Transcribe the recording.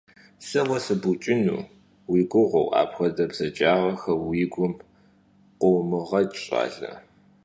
Se vue sıbuç'ın vui guğeu apxuede bzacağexer vui gum khıumığeç', ş'ale.